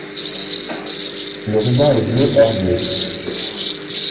Le ruban est bleu-or-bleu.